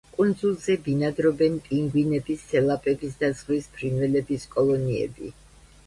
კუნძულზე ბინადრობენ პინგვინების, სელაპების და ზღვის ფრინველების კოლონიები.